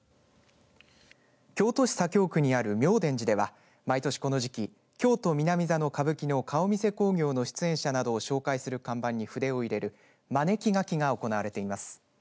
京都市左京区にある妙傳寺では毎年この時期京都南座の歌舞伎の顔見世興行の出演者などを紹介する看板に筆を入れるまねき書きが行われています。